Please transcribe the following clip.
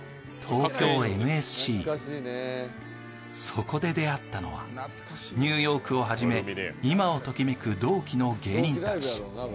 そこで出会ったのはニューヨークをはじめ今をときめく同期の芸人たち。